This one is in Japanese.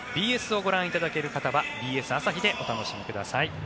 ＢＳをご覧いただける方はＢＳ朝日でお楽しみください。